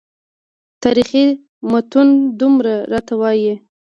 تاریخي متون دومره راته وایي.